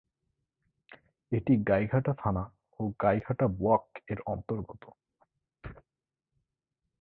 এটি গাইঘাটা থানা ও গাইঘাটা ব্লক-এর অন্তর্গত।